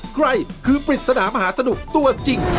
ใครคือปริศนามหาสนุกตัวจริง